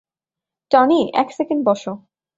Tony, এক second বসো।